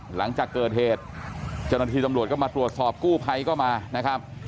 หลังจากเกิดเหตุจริงสมรวจก็มาตรวจสอบกู้ไพก็มานะครับ